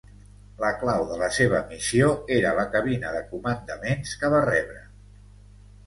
La clau de la seva missió era la cabina de comandaments que va rebre.